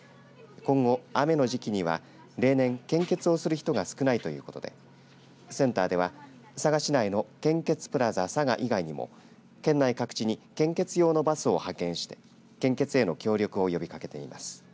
今後、雨の時期には例年、献血をする人が少ないということでセンターでは佐賀市内の献血プラザさが以外にも県内各地に献血用のバスを派遣して献血への協力を呼びかけています。